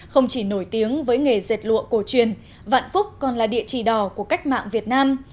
không chỉ nổi tiếng với nghề dệt lụa cổ truyền vạn phúc còn là địa chỉ đỏ của cách mạng việt nam